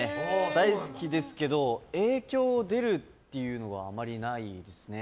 大好きですけど影響出るっていうのはあまりないですね。